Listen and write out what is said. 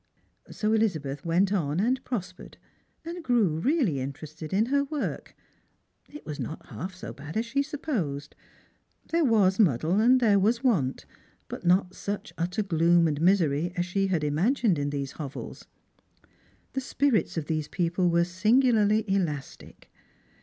So Ehzabeth went on and prospered, and grew really interested in her work. It was not half so bad as she had supposed. There was muddle'and there was want, but not such utter ti loom and misery as she had imagined in these hovels. The spirits of these people were singularly elastic.